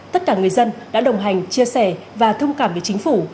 tất cả người dân đã đồng hành chia sẻ và thông cảm với chính phủ